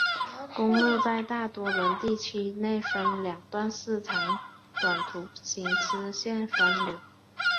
公路在大多伦多地区内分两段设长短途行车线分流。